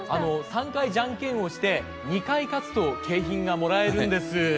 ３回じゃんけんをして２回勝つと景品がもらえるんです。